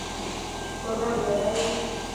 سولر لگايو هي.